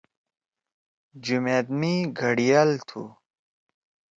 جمأت می گھڑیال تُھو۔